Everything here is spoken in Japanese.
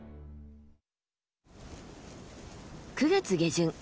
９月下旬。